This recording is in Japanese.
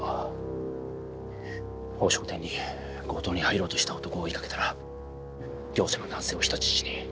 宝飾店に強盗に入ろうとした男を追いかけたら業者の男性を人質に。